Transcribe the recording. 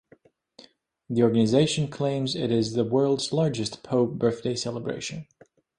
The organization claims it is the world's largest Poe birthday celebration.